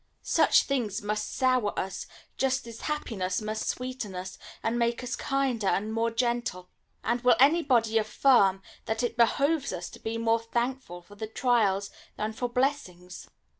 Such things must sour us, just as happiness must sweeten us, and make us kinder, and more gentle. And will anybody affirm that it behoves us to be more thankful for trials than for blessings?